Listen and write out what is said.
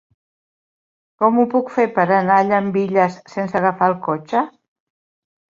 Com ho puc fer per anar a Llambilles sense agafar el cotxe?